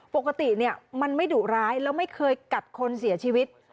ปกติเนี่ยมันไม่ดุร้ายแล้วไม่เคยกัดคนเสียชีวิต